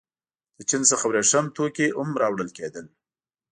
له چین څخه ورېښم توکي هم راوړل کېدل.